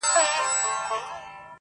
که یې مږور وه که یې زوی که یې لمسیان وه؛